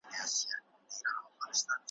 ویل سته خو عمل نسته ,